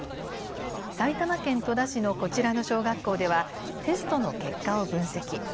埼玉県戸田市のこちらの小学校では、テストの結果を分析。